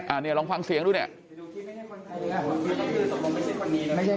อ่าเนี่ยล้องฟังเสียงดูเนี่ย